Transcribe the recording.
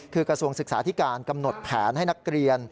คือกระทรวงศึกษาธิการกำหนดแผนให้นักเรียน